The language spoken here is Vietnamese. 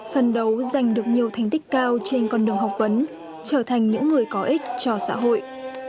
phần đấu giành được nhiều thành tích cao trên con đường học vấn trở thành những người có ích cho xã hội